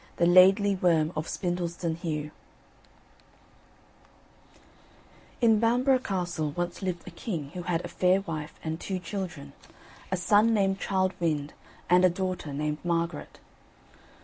_) THE LAIDLY WORM OF SPINDLESTON HEUGH In Bamborough Castle once lived a king who had a fair wife and two children, a son named Childe Wynd and a daughter named Margaret.